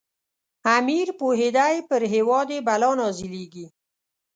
امیر پوهېدی پر هیواد یې بلا نازلیږي.